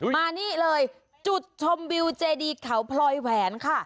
มานี่เลยจุดชมวิวเจดีเขาพลอยแหวนค่ะ